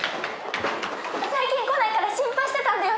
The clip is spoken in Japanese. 最近来ないから心配してたんだよ！？